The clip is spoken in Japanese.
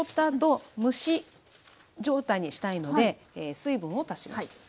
あと蒸し状態にしたいので水分を足します。